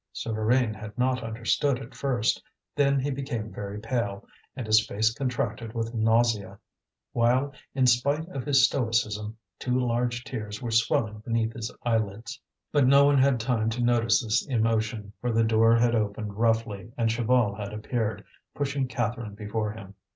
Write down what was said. Souvarine had not understood at first. Then he became very pale, and his face contracted with nausea; while, in spite of his stoicism, two large tears were swelling beneath his eyelids. But no one had time to notice this emotion, for the door had opened roughly and Chaval had appeared, pushing Catherine before him.